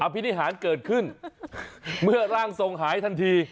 พินิหารเกิดขึ้นเมื่อร่างทรงหายทันที